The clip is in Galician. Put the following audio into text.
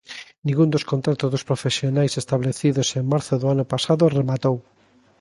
Ningún dos contratos dos profesionais establecidos en marzo do ano pasado rematou.